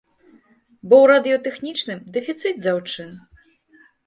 Бо ў радыётэхнічным дэфіцыт дзяўчын.